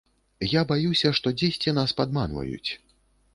Я баюся, што дзесьці нас падманваюць.